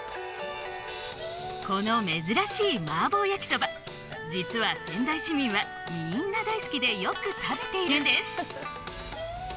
この珍しいマーボー焼きそば実は仙台市民はみんな大好きでよく食べているんです！